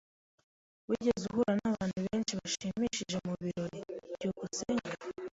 Wigeze uhura nabantu benshi bashimishije mubirori? byukusenge